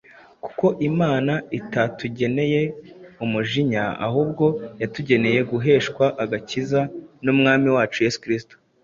Kuko Imana itatugeneye umujinya, ahubwo yatugeneye guheshwa agakiza n’Umwami wacu Yesu Kristo,